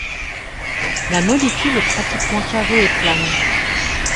La molécule est pratiquement carrée et plane.